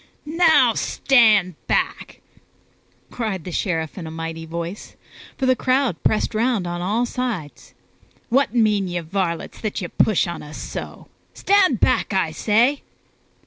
"Now, stand back!" cried the Sheriff in a mighty voice, for the crowd pressed around on all sides. "What mean ye, varlets, that ye push upon us so? Stand back, I say!"